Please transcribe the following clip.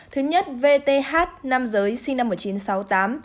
thứ nhất vth nam giới sinh năm một nghìn chín trăm sáu mươi tám